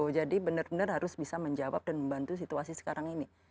jadi benar benar harus bisa menjawab dan membantu situasi sekarang ini